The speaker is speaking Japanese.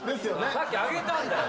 さっき挙げたんだよ。